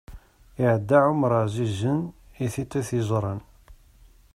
Iɛedda Ɛumer ɛzizen, i tiṭ i t-iẓran.